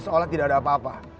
seolah tidak ada apa apa